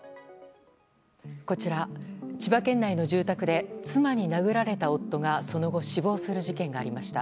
こちら、千葉県内の住宅で妻に殴られた夫が、その後死亡する事件がありました。